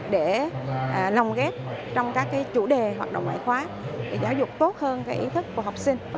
để lòng ghép trong các chủ đề hoạt động ngoại khóa để giáo dục tốt hơn ý thức của học sinh